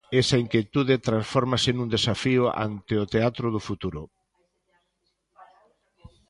Esa inquietude transfórmase nun desafío ante o teatro do futuro.